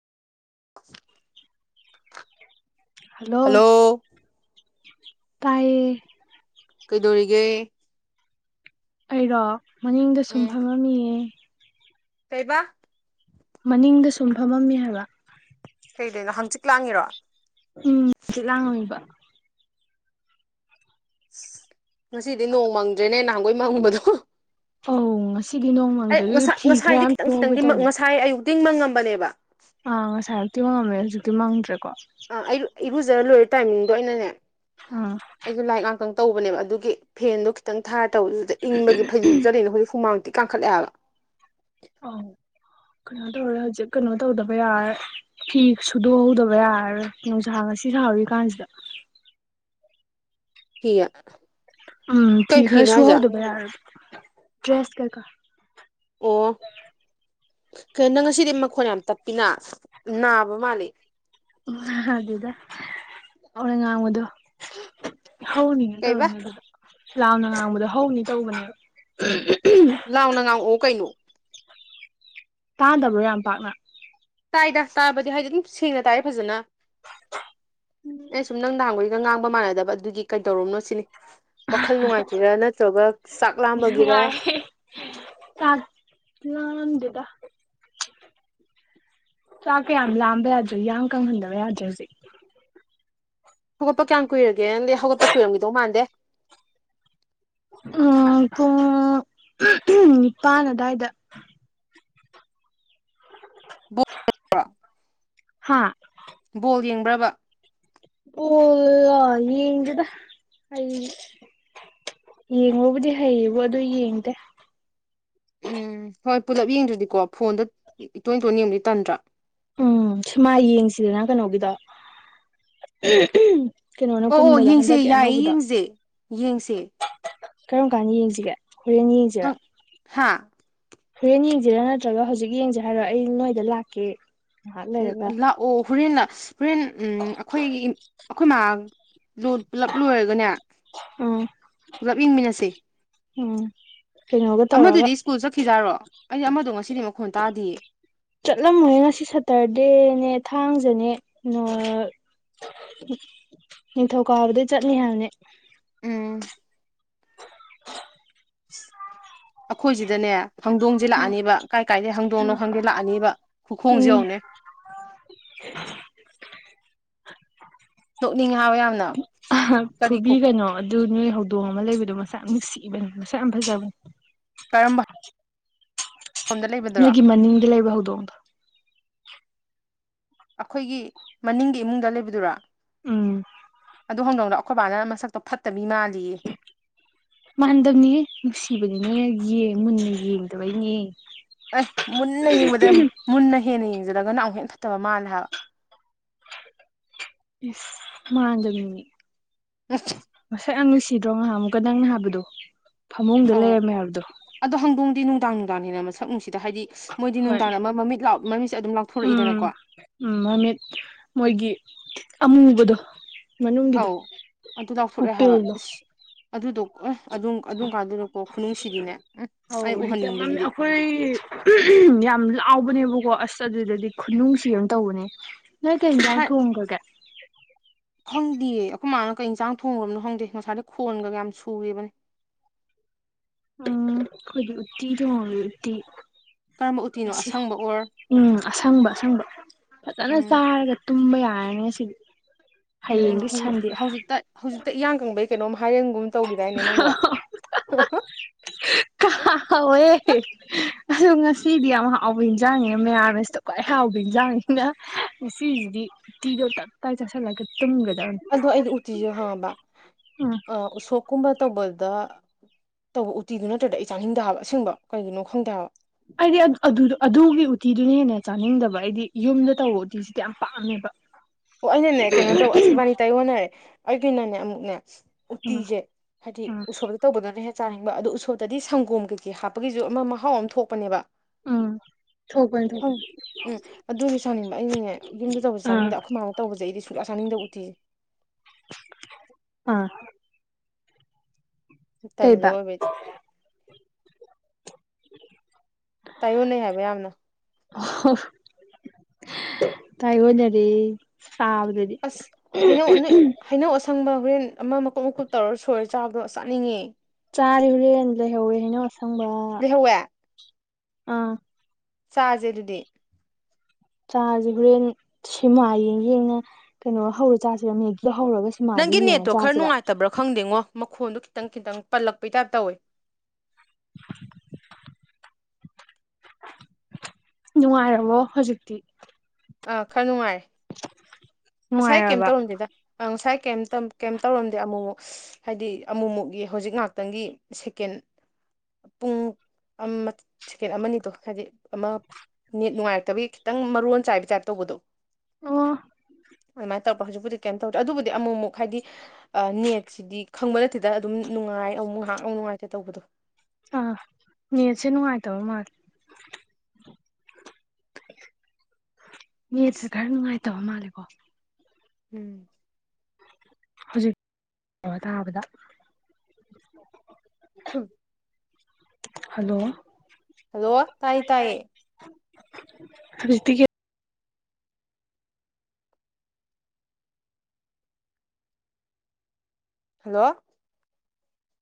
Hello ꯇꯥꯏꯌꯦ ꯀꯩꯗꯧꯔꯤꯒꯦ ꯑꯩꯔꯣ ꯃꯅꯤꯡꯗ ꯁꯨꯝ ꯎꯝ ꯐꯪꯂꯝꯃꯤꯌꯦ ꯀꯩꯕꯥ ꯃꯅꯤꯡꯗ ꯁꯨꯝ ꯐꯝꯃꯝꯃꯤ ꯍꯥꯏꯕ ꯀꯩꯗꯣꯔꯤꯅꯣ ꯍꯪꯆꯤꯠ ꯂꯥꯡꯉꯤꯔꯣ ꯎꯝ ꯍꯪꯆꯤꯠ ꯂꯥꯡꯉꯝꯃꯤꯕ ꯉꯁꯤꯗꯤ ꯅꯣꯡ ꯃꯪꯗ꯭ꯔꯦꯅꯦ ꯅꯍꯥꯟꯒꯣꯏ ꯃꯪꯕꯗꯣ ꯑꯧ ꯉꯁꯤꯗꯤ ꯅꯣꯡ ꯑꯩ ꯃꯪꯗ꯭ꯔꯗꯤ ꯉꯁꯥꯏ ꯐꯤ ꯈꯔ ꯉꯁꯥꯏꯗꯤ ꯌꯥꯝ ꯈꯤꯇꯪ ꯁꯨꯍꯧꯒꯦ ꯈꯤꯇꯪꯗꯤ ꯇꯧꯅꯦ ꯉꯁꯥꯏ ꯑꯌꯨꯛꯇ ꯃꯪꯉꯝꯕꯅꯦꯕ ꯑꯥ ꯉꯁꯥꯏ ꯑꯌꯨꯛꯇꯤ ꯃꯪꯉꯝꯃꯦ ꯍꯧꯖꯤꯛꯇꯤ ꯃꯪꯗ꯭ꯔꯦꯀꯣ ꯑ ꯑꯩ ꯏꯔꯨꯖ ꯂꯣꯏꯔ ꯇꯥꯏꯃꯤꯡꯗꯣ ꯑꯩꯅꯅꯦ ꯎꯝ ꯑꯩꯁꯨ ꯂꯥꯏꯔꯤꯛ ꯉꯥꯛꯇꯪ ꯇꯧꯕꯅꯦꯕ ꯑꯗꯨꯒꯤ ꯐꯦꯟꯗꯣ ꯈꯤꯇꯪ ꯊꯥꯔ ꯇꯧꯕꯗꯨꯗ ꯏꯪꯕꯒꯤ ꯐꯩ [unintelligible] ꯀꯥꯡꯈꯠꯂꯛꯑꯦ ꯍꯥꯏꯕ ꯑꯣ ꯀꯩꯅꯣ ꯇꯧꯔꯦ ꯍꯧꯖꯤꯛ ꯀꯩꯅꯣ ꯇꯧꯗꯕ ꯌꯥꯔꯣꯏ ꯐꯤ ꯁꯨꯗꯣꯛꯍꯧꯗꯕ ꯌꯥꯔꯔꯣꯏ ꯅꯨꯡꯁꯥ ꯉꯁꯤ ꯁꯥꯍꯧꯔꯤ ꯀꯥꯟꯁꯤꯗ ꯐꯤ ꯎꯝ ꯐꯤ ꯈꯔ ꯁꯨꯍꯧꯗꯕ ꯌꯥꯔꯣꯏ ꯗ꯭ꯔꯦꯁ ꯀꯩꯀꯥ ꯑꯣ ꯀꯩꯅꯣ ꯅꯪ ꯉꯁꯤꯗꯤ ꯃꯈꯣꯟ ꯌꯥꯝ ꯇꯞꯄꯤꯅ ꯅꯥꯕ ꯃꯥꯜꯂꯤ ꯅꯥꯗꯦꯗ [unintelligible] ꯉꯥꯡꯕꯗꯨ ꯍꯧꯅꯤ ꯀꯩꯕꯥ ꯇꯧꯅꯤ ꯑꯗꯨꯗ ꯂꯥꯎꯅ ꯉꯥꯡꯕꯗ ꯍꯧꯅꯤ ꯇꯧꯕꯅꯦꯕ ꯂꯥꯎꯅ ꯉꯥꯡꯉꯛꯑꯣ ꯀꯩꯅꯣ꯫ ꯇꯥꯗꯕ꯭ꯔꯣ ꯌꯥꯝ ꯄꯥꯛꯅ ꯇꯥꯏꯗ ꯇꯥꯕꯗꯤ ꯍꯥꯏꯗꯤ ꯑꯗꯨꯝ ꯁꯦꯡꯅ ꯇꯥꯏ ꯐꯖꯅ ꯑꯦ ꯁꯨꯝ ꯅꯪ ꯅꯍꯥꯡꯕꯩꯒ ꯉꯥꯡꯕ ꯃꯥꯟꯅꯗꯕ ꯑꯗꯨꯒꯤ ꯀꯩꯗꯧꯔꯕꯅꯣ ꯁꯤꯅꯤ꯫ ꯋꯥꯈꯜ ꯅꯨꯡꯉꯥꯏꯇꯔꯥ ꯅꯠꯇ꯭ꯔꯒ ꯆꯥꯛ ꯂꯥꯝꯕꯒꯤꯔ꯫ ꯅꯨꯡꯉꯥꯏ ꯆꯥꯛ ꯂꯥꯝꯗꯦꯗ꯫ ꯆꯥꯛ ꯀꯌꯥꯝ ꯌꯥꯝ ꯂꯥꯝꯕ ꯌꯥꯗ꯭ꯔꯦ ꯌꯥꯡ ꯀꯪꯍꯟꯗꯕ ꯌꯥꯗ꯭ꯔꯦ ꯍꯧꯖꯤꯛ ꯍꯧꯒꯠꯄ ꯀꯌꯥꯝ ꯀꯨꯏꯔꯒꯦ ꯅꯪꯗꯤ ꯍꯧꯒꯠꯄ ꯀꯨꯏꯔꯝꯈꯤꯗꯧ ꯃꯥꯟꯗꯦ ꯎꯝ ꯄꯨꯡ ꯅꯤꯄꯥꯟ ꯑꯗꯨꯗꯥꯏꯗ [unintelligible] ꯍꯥꯥ ꯕꯣꯜ ꯌꯦꯡꯕ꯭ꯔꯕ ꯕꯣꯜꯂꯣ ꯌꯦꯗ ꯑꯩ ꯌꯦꯡꯉꯕꯨꯗꯤ ꯍꯩꯌꯦꯕꯣ ꯑꯗꯨ ꯌꯦꯡꯗꯦ ꯎꯝ ꯍꯣꯏ ꯄꯨꯂꯞ ꯌꯦꯡꯗ꯭ꯔꯗꯤꯀꯣ ꯐꯣꯟꯗ ꯏꯇꯣꯟ ꯏꯇꯣꯏ ꯌꯦꯡꯕꯗꯤ ꯇꯟꯗ꯭ꯔꯥ ꯎꯝ ꯁꯤꯃꯥ ꯌꯦꯡꯁꯤꯗꯅ ꯀꯩꯅꯣꯒꯤꯗꯣ ꯀꯩꯅꯣꯅ ꯑꯣ ꯑꯣ ꯀꯨꯝꯕꯗ ꯌꯦꯡꯁꯦ ꯍꯟꯗꯛꯀꯤ ꯌꯥꯏꯌꯦ ꯑꯅꯧꯕꯗꯣ ꯌꯦꯡꯁꯦ ꯌꯦꯡꯁꯦ ꯀꯔꯝ ꯀꯥꯟꯗ ꯌꯦꯡꯁꯤꯒꯦ ꯍꯣꯔꯦꯟ ꯌꯦꯡꯁꯤꯒ ꯍꯥꯥ ꯍꯣꯔꯦꯟ ꯌꯦꯡꯁꯤꯔꯥ ꯅꯠꯇ꯭ꯔꯒ ꯍꯧꯖꯤꯛ ꯌꯦꯡꯁꯦ ꯍꯥꯏꯔꯣ ꯑꯩ ꯅꯣꯏꯗ ꯂꯥꯛꯀꯦ ꯉꯥꯏꯍꯥꯛ ꯂꯩꯔꯒ ꯂꯥꯛꯑꯣ ꯍꯣꯔꯦꯟꯅ [unintelligible] ꯍꯣꯔꯦꯟ ꯎ ꯑꯈꯣꯏꯒꯤ ꯑꯈꯣꯏ ꯃꯃꯥꯗꯨ ꯄꯨꯂꯞ ꯂꯣꯏꯔꯒꯅꯦ ꯎꯝ ꯄꯨꯂꯞ ꯌꯦꯡꯃꯤꯟꯅꯁꯦ ꯎꯝ ꯀꯩꯅꯣꯒ ꯇꯧꯔꯒ ꯑꯃꯗꯨꯗꯤ ꯁ꯭ꯀꯨꯜ ꯆꯠꯈꯤꯖꯥꯔꯣ ꯑꯩꯗꯤ ꯑꯃꯗꯣ ꯉꯁꯤꯗꯤ ꯃꯈꯣꯟ ꯇꯥꯗꯤꯌꯦ ꯆꯠꯂꯝꯃꯣꯏꯍꯦ ꯉꯁꯤ ꯁꯇꯔꯗꯦꯅꯦ ꯊꯥꯡꯖꯦꯅꯦ꯫ ꯅꯤꯡꯊꯧꯀꯥꯕꯗ ꯆꯠꯅꯤ ꯍꯥꯏꯕꯅꯦ꯫ [inaudible] ꯑꯩꯈꯣꯏꯁꯤꯗꯅꯦ ꯍꯪꯗꯣꯡꯁꯦ ꯂꯥꯛꯑꯅꯤꯕ ꯀꯥꯏ ꯀꯥꯏꯗꯒꯤ ꯍꯥꯡꯗꯣꯡꯅꯣ ꯈꯪꯗꯦ ꯂꯥꯛꯑꯅꯤꯕ ꯈꯨꯈꯣꯡꯁꯦ ꯌꯧꯅꯦ꯫ [unintelligible] [unintelligible] ꯅꯣꯛꯅꯤꯉꯦ ꯍꯥꯏꯕ ꯌꯥꯝꯅ ꯀꯔꯤ ꯐꯨꯕꯤꯒꯅꯣ ꯑꯗꯨ ꯅꯣꯏ ꯍꯧꯗꯣꯡ ꯑꯃ ꯂꯩꯕꯗꯣ ꯃꯁꯥ ꯌꯥꯝ ꯅꯨꯡꯁꯤꯕꯅꯦ ꯃꯁꯥ ꯌꯥꯝ ꯐꯖꯕꯅꯦ ꯀꯔꯝꯕ ꯂꯣꯝꯗ ꯂꯩꯕꯗꯨꯔꯣ ꯅꯣꯏꯒꯤ ꯃꯅꯤꯡꯗꯤ ꯂꯩꯕ ꯍꯧꯗꯣꯡꯗꯣ꯫ ꯑꯩꯈꯣꯏꯒꯤ ꯃꯅꯤꯡꯒꯤ ꯏꯃꯨꯡꯗ ꯂꯩꯕꯗꯨꯔꯣ꯫ ꯎꯝ ꯑꯗꯨ ꯍꯧꯗꯧꯅ ꯑꯈꯣꯏ ꯕꯥꯅ ꯃꯁꯛꯇꯣ ꯐꯠꯇꯕꯤ ꯃꯥꯜꯂꯤꯌꯦ꯫ ꯃꯥꯟꯗꯕꯅꯤ ꯅꯨꯡꯁꯤꯕꯅꯤꯅꯦ ꯃꯨꯟꯅ ꯌꯦꯡꯗꯕꯩꯅꯦ꯫ ꯑꯦꯁ ꯃꯨꯟꯅ ꯌꯦꯡꯕꯗ ꯃꯨꯟꯅ ꯍꯦꯟꯅ ꯌꯦꯡꯖꯔꯒ ꯅꯅꯥ ꯑꯃꯨꯛ ꯍꯦ ꯐꯠꯇꯕ ꯃꯥꯜꯂꯦ ꯍꯥꯏꯕ ꯏꯁ ꯃꯥꯡꯖꯕꯅꯤ꯫ [unintelligible] ꯉꯁꯛ ꯅꯪ ꯅꯨꯡꯁꯤꯗ꯭ꯔꯣ ꯉꯍꯥꯛ ꯑꯃꯨꯛꯀ ꯅꯪꯅ ꯍꯥꯏꯕꯗꯣ ꯐꯃꯨꯡꯗ ꯑꯧ ꯂꯩꯔꯝꯃꯦ ꯍꯥꯏꯕꯗꯣ꯫ ꯑꯗꯣ ꯍꯪꯗꯣꯡꯗꯤ ꯅꯨꯡꯗꯥꯡ ꯅꯨꯡꯗꯥꯡ ꯍꯦꯟꯅ ꯃꯁꯛ ꯅꯨꯡꯁꯤꯗ ꯍꯥꯏꯗꯤ ꯃꯣꯏꯗꯤ ꯍꯣꯏ ꯅꯨꯡꯗꯥꯡ ꯑꯃ ꯃꯃꯤꯠ ꯃꯃꯤꯠꯁꯦ ꯑꯗꯨꯝ ꯎꯝ ꯂꯥꯎꯊꯣꯔꯛꯏꯗꯅꯀꯣ ꯎꯝ ꯃꯣꯃꯤꯠ ꯃꯣꯏꯒꯤ ꯑꯃꯨꯕꯗꯣ꯫ ꯃꯅꯨꯡꯒꯤꯗꯣ ꯑꯧ ꯑꯗꯨ ꯂꯥꯎꯊꯣꯔꯛꯑꯦ ꯍꯥꯏꯕ ꯄꯨꯄꯤꯜꯗꯣ ꯑꯗꯨꯗꯣ ꯑ ꯑꯗꯨꯝ ꯑꯗꯨꯝ ꯀꯥꯟꯗꯨꯗꯀꯣ ꯈꯨꯅꯨꯡꯁꯤꯗꯤꯅꯦ ꯑꯧ ꯑꯥꯏ ꯍꯦꯛ ꯎꯍꯟꯅꯤꯡꯕꯁꯤꯗꯤ [unintelligible] ꯌꯥꯝ ꯂꯥꯎꯕꯅꯦꯕꯀꯣ ꯑꯁ ꯑꯗꯨꯗꯗꯤ ꯈꯨꯅꯨꯡꯁꯤ ꯌꯥꯝ ꯇꯧꯕꯅꯦ꯫ ꯅꯣꯏ ꯀꯩꯏꯟꯖꯥꯡ ꯊꯣꯡꯈꯔꯒꯦ꯫ ꯈꯪꯗꯦꯌꯦ ꯑꯩꯈꯣꯏ ꯃꯥꯅ ꯀꯩ ꯌꯦꯟꯁꯥꯡ ꯊꯣꯡꯈ꯭ꯔꯕꯅꯣ ꯈꯪꯗꯦ ꯉꯁꯥꯏꯗ ꯈꯣꯟꯒ ꯌꯥꯝ ꯁꯨꯦꯔꯤꯕꯅꯦ꯫ ꯎꯝ ꯎꯇꯤ ꯇꯣꯡꯉ ꯎꯇꯤ ꯀꯔꯝꯕ ꯎꯇꯤꯅꯣ ꯃꯁꯤ ꯑꯁꯪꯕ ꯑꯣꯔ ꯎꯝ ꯑꯁꯪꯕ ꯑꯁꯪꯕ ꯐꯖꯅ ꯎꯝ ꯆꯥꯔꯒ ꯇꯨꯝꯕ ꯌꯥꯔꯅꯤ ꯁꯤꯗꯤ ꯎꯝ ꯍꯌꯦꯡꯒꯤ ꯍꯧꯖꯤꯛ ꯁꯟꯗꯤ ꯍꯧꯖꯤꯛꯇ ꯍꯧꯖꯤꯛꯇ ꯏꯌꯥꯡ ꯀꯪꯕꯩ ꯀꯩꯅꯣꯝ ꯍꯥꯏꯔꯦꯟꯒꯨꯝꯕ ꯇꯧꯈꯤꯗꯥꯏꯅꯦ ꯅꯪꯕ ꯍ ꯑꯗ ꯉꯁꯤꯗꯤ ꯌꯥꯝ ꯍꯥꯎꯕꯤꯅ ꯆꯥꯡꯉꯦ ꯃꯌꯥꯝꯃꯦꯁꯤꯇ ꯈ꯭ꯋꯥꯏ ꯍꯥꯎꯕꯤꯟ ꯆꯥꯡꯉꯦ ꯑꯗ ꯉꯁꯤꯁꯤꯗꯤ ꯎꯇꯤꯗꯣ ꯇꯞ ꯇꯥꯏ ꯆꯥꯁꯤꯜꯂꯒ ꯇꯨꯝꯒꯗꯕꯅꯤ ꯑꯗꯣ ꯑꯩꯗꯤ ꯎꯇꯤꯁꯨꯦ ꯍꯪꯉꯕ ꯎꯝ ꯑ ꯎꯁꯣꯞꯀꯨꯝꯕ ꯇꯧꯕꯗ ꯇꯧꯕ ꯎꯇꯤꯗꯨ ꯅꯠꯇ꯭ꯔꯗ ꯑꯩ ꯆꯥꯅꯤꯡꯟꯗꯕ ꯑꯁꯕ ꯀꯩꯒꯤꯅꯣ ꯈꯪꯗꯦ ꯍꯥꯏꯕ ꯍꯥꯏꯗꯤ ꯑꯗꯨꯒꯤ ꯎꯇꯤꯗꯨꯅ ꯍꯦꯟꯅ ꯆꯥꯅꯤꯡꯗꯕ ꯑꯩꯗꯤ ꯌꯨꯝꯗ ꯇꯧꯕ ꯎꯇꯤꯁꯤꯗꯤ ꯌꯥꯝ ꯄꯥꯝꯃꯦꯕ ꯑꯣ ꯑꯩꯅꯅꯦ ꯀꯩꯅꯣ ꯇꯧꯕ ꯑꯁ ꯏꯕꯥꯅꯤ ꯇꯥꯏ ꯍꯣꯟꯅꯔꯦ ꯑꯩꯒꯤꯅꯅꯦ ꯑꯃꯨꯛꯅꯦ ꯎꯝ ꯎꯇꯤꯖꯦ ꯍꯥꯏꯇ ꯎꯝ ꯎ ꯁꯕ ꯇꯧꯕꯗꯨꯅ ꯍꯦꯛ ꯆꯥꯅꯤꯡꯕ ꯑꯗꯨ ꯎꯁꯣꯠꯇꯗꯤ ꯁꯪꯒꯣꯝ ꯀꯩꯀꯩ ꯍꯥꯞꯄꯒꯤꯁꯨ ꯑꯃ ꯃꯍꯥꯎ ꯑꯃ ꯊꯣꯛꯄꯅꯦꯕ ꯎꯝ ꯊꯣꯛꯄꯅꯤ ꯊꯣꯛꯄꯅꯤ ꯍ ꯎꯝ ꯑꯗꯨꯒꯤ ꯆꯥꯅꯤꯡꯕ ꯑꯩꯅꯅꯦ ꯌꯨꯝꯗ ꯇꯧꯕꯁ ꯑꯥ ꯁꯥꯥꯅꯤꯡꯗ ꯑꯩ ꯁꯨꯃꯅ ꯇꯧꯕꯁꯦ ꯑꯩꯗꯤ ꯁꯛ ꯑꯁꯥꯅꯤꯡꯗ ꯎꯇꯤꯁꯦ ꯑꯥ ꯇꯂꯦ ꯀꯩꯕ ꯍꯣꯏꯕꯦ ꯇꯥꯏꯌꯅꯩ ꯍꯥꯏꯕ ꯌꯥꯝꯅ ꯇꯥꯏꯣꯟꯅꯔꯦ ꯁꯥꯕꯗꯗꯤ ꯑꯁ ꯍꯥꯏꯩꯅꯧ ꯅꯣꯏ ꯍꯩꯅꯧ ꯑꯁꯪꯕ ꯒ꯭ꯔꯦꯟ ꯑꯃ ꯃꯀꯨꯞ ꯃꯀꯨꯞ ꯇꯧꯔ ꯁꯣꯏꯔ ꯆꯥꯛꯗꯣ ꯆꯥꯅꯤꯡꯉꯦ ꯆꯥꯔꯤꯕ ꯍꯔꯦꯅ ꯂꯩꯍꯧꯋꯦ ꯍꯥꯏꯩꯅꯧ ꯑꯁꯪꯕ ꯂꯩꯍꯋꯦ ꯑꯥ ꯆꯥꯁꯦ ꯑꯗꯨꯗꯤ ꯆꯥꯁꯤ ꯍꯣꯔꯦꯟ ꯁꯤꯃꯥ ꯌꯦꯡ ꯌꯦꯡꯅ ꯀꯩꯅꯣ ꯍꯧꯔꯦ ꯆꯥꯁꯤꯔ ꯃ ꯍꯧꯔꯒ ꯁꯤꯃꯥꯗꯨ ꯅꯪꯒꯤ ꯌꯦꯡꯉ ꯅꯦꯠꯇꯣ ꯈꯔ ꯆꯥꯁꯤꯔ ꯅꯨꯡꯉꯥꯏꯇꯕ꯭ꯔꯥ ꯈꯪꯗꯦꯉꯣ ꯃꯈꯣꯟꯗꯣ ꯈꯤꯇꯪ ꯈꯤꯇꯪ ꯄꯜꯂꯛꯄꯩ ꯇꯥꯏꯞ ꯇꯧꯋꯦ [unintelligible] ꯅꯨꯡꯉꯥꯏꯔꯕꯣ ꯍꯧꯖꯤꯛꯇꯤ ꯑꯥ ꯈꯔ ꯅꯨꯡꯉꯥꯏꯔꯦ ꯉꯁꯥꯏ ꯀꯩꯝ ꯅꯨꯡꯉꯥꯏꯔꯕ ꯇꯧꯔꯝꯗꯦꯗ ꯉꯁꯥꯏ ꯀꯩꯝ ꯀꯩꯝ ꯇꯧꯔꯝꯗꯦ ꯑꯃꯨꯛꯃꯨꯛ ꯍꯥꯏꯗꯤ ꯑꯃꯨꯛ ꯃꯨꯛꯀꯤ ꯍꯧꯖꯤꯛ ꯉꯥꯛꯇꯪꯒꯤ ꯁꯦꯀꯦꯟ ꯄꯨꯡ ꯑꯃ ꯁꯦꯀꯦꯟ ꯑꯃꯥ ꯑꯅꯤꯗꯣ ꯍꯥꯏꯗꯤ ꯑꯃ ꯅꯦꯠ ꯅꯨꯡꯉꯥꯏꯔꯛꯇꯕꯒꯤ ꯈꯤꯇꯪ ꯃꯥꯔꯣꯟ ꯆꯥꯏꯕꯩ ꯇꯥꯏꯞꯇ ꯇꯧꯕꯥꯗꯣ ꯑꯣ ꯑꯗꯨꯃꯥꯏꯅ ꯇꯧꯔꯛꯄ ꯍꯧꯖꯤꯛꯄꯨꯗꯤ ꯀꯩꯝ ꯇꯧꯔꯦ ꯑꯗꯨꯕꯨꯗꯤ ꯑꯃꯨꯛꯃꯨꯛ ꯍꯥꯏꯗꯤ ꯅꯦꯠꯁꯤꯗꯤ ꯈꯪꯕ ꯅꯠꯇꯦꯗ ꯑꯗꯨꯝ ꯅꯨꯡꯉꯥꯏ ꯑꯃꯨ ꯉꯥꯏꯍꯥꯛꯥꯎ ꯅꯨꯡꯉꯥꯏꯇꯦ ꯇꯧꯕꯗꯣ ꯑꯥ ꯌꯦꯁꯦꯅꯅꯨꯡꯉꯥꯏ ꯇꯕ ꯃꯥꯜ ꯃꯤꯠꯁ ꯈꯔꯅꯤꯅꯨꯡꯥꯏ ꯇꯋꯥ ꯃꯥꯂꯦꯒꯣ ꯎꯝ ꯍꯧꯖꯤꯛ ꯇꯥꯕꯗ ꯍꯜꯂꯣ ꯍꯜꯂꯣ ꯇꯥꯏ ꯇꯥꯏꯌꯦ ꯍꯧꯖꯤꯛꯇꯥꯒꯤ ꯍꯥꯜꯂꯣ